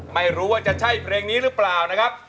ไม่รู้ว่าจะใช่เพลงนี้หรือเปล่านะครับ